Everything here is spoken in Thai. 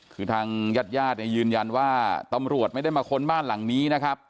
คือทางญาติญาติเนี่ยยืนยันว่าตำรวจไม่ได้มาค้นบ้านหลังนี้นะครับ